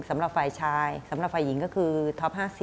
สำหรับฝ่ายชายสำหรับฝ่ายหญิงก็คือท็อป๕๐